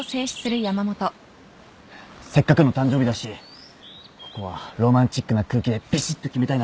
せっかくの誕生日だしここはロマンチックな空気でびしっと決めたいなって思って。